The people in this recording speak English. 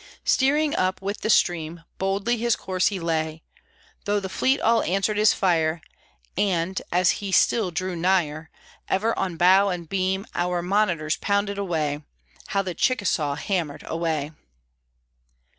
Steering up with the stream, Boldly his course he lay, Though the fleet all answered his fire, And, as he still drew nigher, Ever on bow and beam Our Monitors pounded away; How the Chickasaw hammered away!